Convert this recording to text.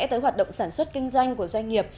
tới hoạt động sản xuất kinh doanh của doanh nghiệp